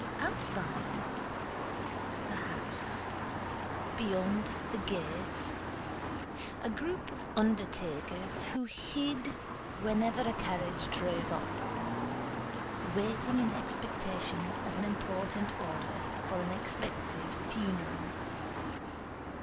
Outside the house, beyond the gates, a group of undertakers, who hid whenever a carriage drove up, waited in expectation of an important order for an expensive funeral.